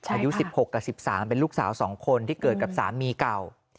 อายุ๑๖กับ๑๓เป็นลูกสาว๒คนที่เกิดกับสามีเก่า